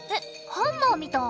ハンマーみたい。